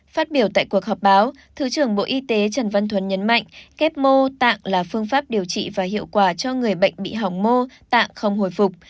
phát biểu tại cuộc họp báo thứ trưởng bộ y tế trần văn thuấn nhấn mạnh kép mô tạng là phương pháp điều trị và hiệu quả cho người bệnh bị hỏng mô tạng không hồi phục